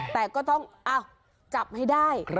แต่ก็ต้องจับให้ได้